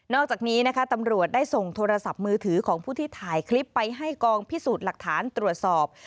อกจากนี้นะคะตำรวจได้ส่งโทรศัพท์มือถือของผู้ที่ถ่ายคลิปไปให้กองพิสูจน์หลักฐานตรวจสอบ